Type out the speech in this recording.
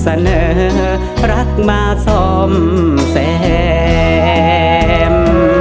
เสนอรักมาสมแสม